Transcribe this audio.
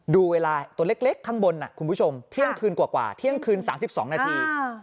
ดูเวลาตัวเล็กข้างบนคุณผู้ชมเที่ยงคืนกว่าเที่ยงคืน๓๒นาที